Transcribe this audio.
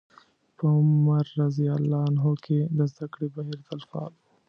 په عمر رض کې د زدکړې بهير تل فعال و.